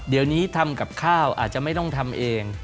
เดี๋ยวนี้ทำกับข้าวอาจจะไม่ต้องทำเอง